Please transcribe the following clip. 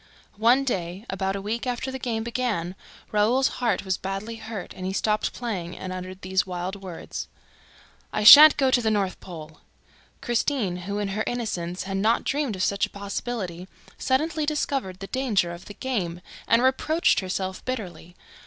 One day, about a week after the game began, Raoul's heart was badly hurt and he stopped playing and uttered these wild words: "I shan't go to the North Pole!" Christine, who, in her innocence, had not dreamed of such a possibility, suddenly discovered the danger of the game and reproached herself bitterly.